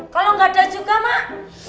kalau gak ada juga mak